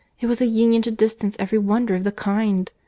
—It was a union to distance every wonder of the kind.